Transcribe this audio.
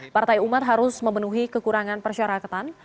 partai umat harus memenuhi kekurangan persyarakatan